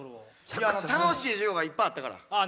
いや楽しい授業がいっぱいあったから。